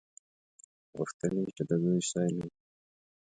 غوښتل یې چې د دوی سیل وکړي.